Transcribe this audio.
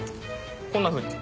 こんなふうに。